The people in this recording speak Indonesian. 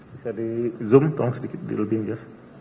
bisa di zoom tolong sedikit di lobbles